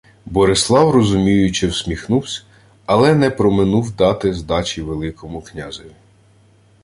Борислав розуміюче всміхнувсь, але не проминув дати здачі Великому князеві: